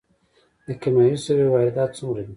د کیمیاوي سرې واردات څومره دي؟